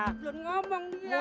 belum ngomong ya